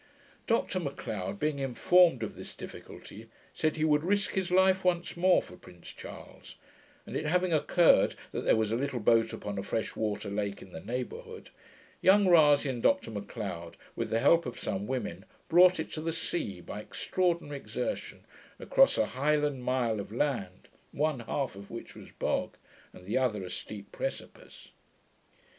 Dr Macleod being informed of this difficulty, said he would risk his life once more for Prince Charles; and it having occurred, that there was a little boat upon a fresh water lake in the neighbourhood, young Rasay and Dr Macleod, with the help of some women, brought it to the sea, by extraordinary exertion, across a Highland mile of land, one half of which was bog, and the other a steep precipice.